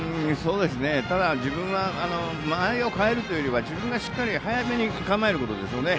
ただ、自分は間合いを変えるというよりは自分がしっかり早めに構えることでしょうね。